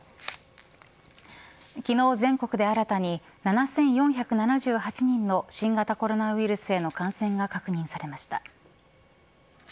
昨日、全国で新たに７４７８人の新型コロナウイルスへの感染が確認されました。